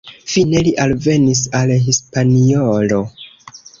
Fine li alvenis al Hispaniolo.